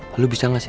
lu mau ke depan karin